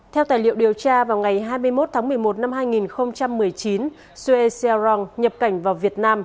theo tài liệu điều tra vào ngày hai mươi một tháng một mươi một năm hai nghìn một mươi chín suez sialong nhập cảnh vào việt nam